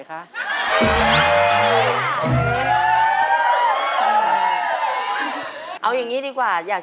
เป็นเรื่องราวของแม่นาคกับพี่ม่าครับ